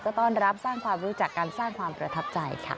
ต้อนรับสร้างความรู้จักการสร้างความประทับใจค่ะ